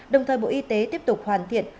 đồng thời bộ y tế tiếp tục hoàn thiện